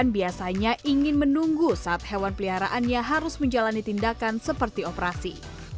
biasanya ingin menunggu saat hewan peliharaannya harus menjalani tindakan seperti operasi